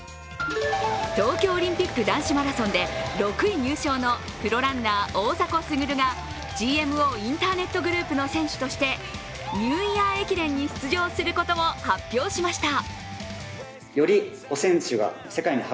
東京オリンピック男子マラソンで６位入賞のプロランナー・大迫傑がＧＭＯインターネットグループの選手としてニューイヤー駅伝に出場することを発表しました。